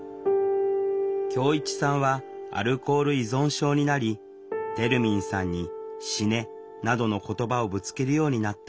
恭一さんはアルコール依存症になりてるみんさんに「死ね」などの言葉をぶつけるようになった。